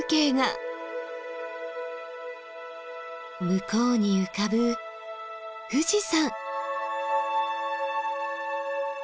向こうに浮かぶ富士山！